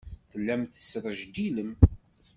Tellam tesrejdilem.